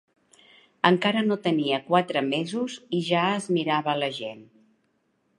Encara no tenia quatre mesos i ja es mirava la gent